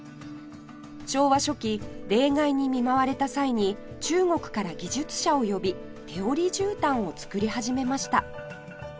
昭和初期冷害に見舞われた際に中国から技術者を呼び手織りじゅうたんを作り始めました